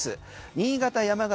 新潟、山形、